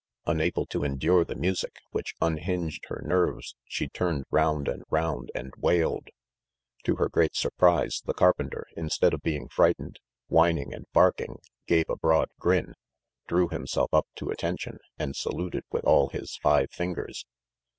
Unable to endure the music, which unhinged her nerves, she turned round and round and wailed. To her great surprise, the carpenter, instead of being frightened, whining and barking, gave a broad grin, drew himself up to attention, and saluted with all his five fingers.